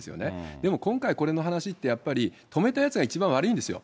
でも今回、これの話って、やっぱり止めたやつが一番悪いんですよ。